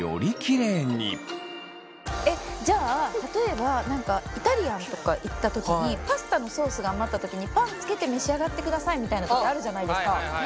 じゃあ例えば何かイタリアンとか行った時にパスタのソースが余った時にパンつけて召し上がってくださいみたいな時あるじゃないですか。